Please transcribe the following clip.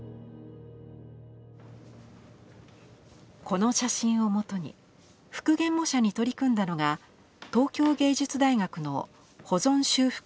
この写真をもとに復元模写に取り組んだのが東京藝術大学の保存修復